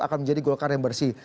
akan menjadi golkar yang bersih